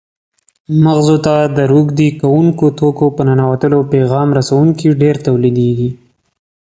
مغزو ته د روږدي کوونکو توکو په ننوتلو پیغام رسوونکي ډېر تولیدېږي.